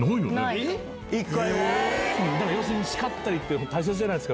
要するに叱ったりって大切じゃないですか